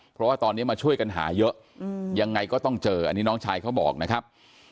เพราะว่าตอนนี้มาช่วยกันหาเยอะยังไงก็ต้องเจออันนี้น้องชายเขาบอกนะครับ